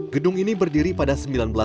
gedung ini berdiri di sebuah kota yang berbeda